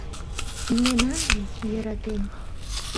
Илена ыле, йӧратен!